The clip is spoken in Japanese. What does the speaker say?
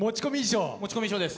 持ち込み衣装です。